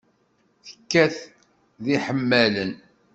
Tekkat d iḥemmalen.